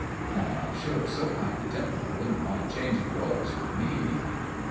Now I'm sure so kind a gintleman won't mind changing yours with me."